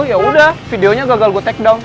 ya udah videonya gagal gue takedown